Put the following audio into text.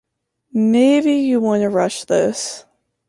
Maybe you want to rush this...